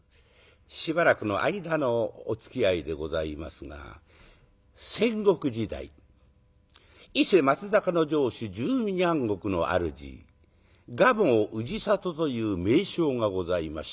しばらくの間のおつきあいでございますが戦国時代伊勢・松坂の城主１２万石の主蒲生氏郷という名将がございました。